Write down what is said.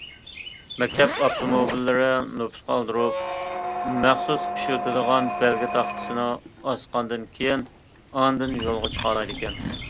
مەكتەپ ئاپتوموبىللىرى نوپۇسقا ئالدۇرۇلۇپ مەخسۇس ئىشلىتىلىدىغان بەلگە تاختىسىنى ئاسقاندىن كېيىن ئاندىن يولغا چىقالايدىكەن.